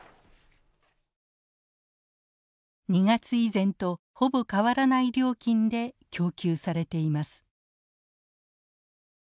２月以前とほぼ変わらない料金で供給されています。